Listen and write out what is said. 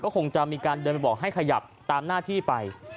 คงจะมีการเดินไปบอกให้ขยับตามหน้าที่ไป